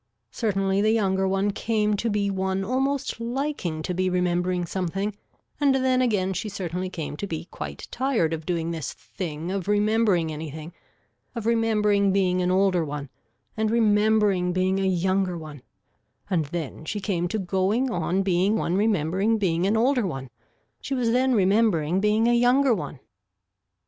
Certainly the younger one came to be one almost liking to be remembering something and then again she certainly came to be quite tired of doing this thing of remembering anything, of remembering being an older one and remembering being a younger one and then she came to going on being one remembering being an older one, she was then remembering being a younger one.